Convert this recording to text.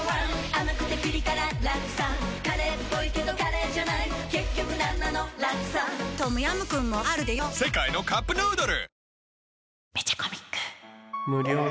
甘くてピリ辛ラクサカレーっぽいけどカレーじゃない結局なんなのラクサトムヤムクンもあるでヨ世界のカップヌードル